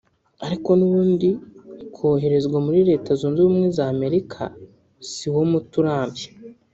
ariko n’ubundi koherezwa muri Leta Zunze Ubumwe za Amerika si wo muti urambye